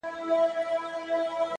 • له دې غمه همېشه یمه پرېشانه,